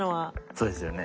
そうですよね。